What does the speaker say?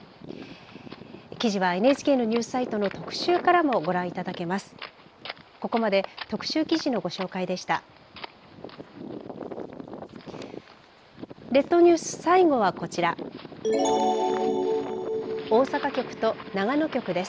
記事はＮＨＫのニュースサイトの特集からもご覧いただけます。